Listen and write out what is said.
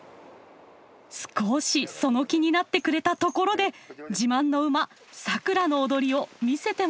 少しその気になってくれたところで自慢の馬サクラの踊りを見せてもらいます。